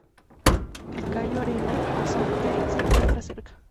El Cayo Arena o Sand Key se encuentra cerca.